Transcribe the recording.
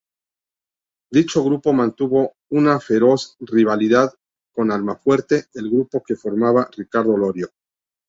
Dicho grupo mantuvo una feroz rivalidad con Almafuerte, el grupo que formara Ricardo Iorio.